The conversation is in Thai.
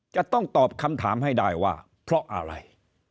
จะต้องตอบคำถามให้ได้ว่าเพราะอะไร